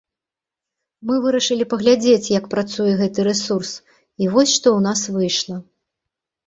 Мы вырашылі паглядзець, як працуе гэты рэсурс, і вось што ў нас выйшла.